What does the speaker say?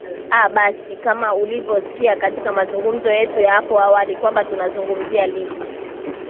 aa basi kama ulivyosikia katika mazungumzo yetu ya hapo awali kwamba tunazungumzia ligi